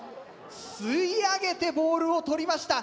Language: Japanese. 吸い上げてボールを取りました。